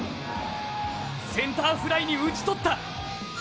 センターフライに打ち取った。